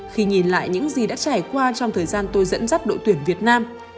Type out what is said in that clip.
khi nhìn lại những gì đã trải qua trong thời gian tôi dẫn dắt đội tuyển việt nam